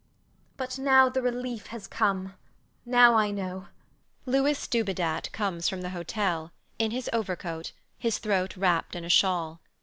But now the relief has come: now I know. Louis Dubedat comes from the hotel, in his overcoat, his throat wrapped in a shawl.